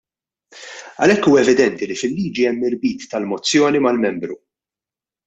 Għalhekk huwa evidenti li fil-liġi hemm irbit tal-mozzjoni mal-Membru.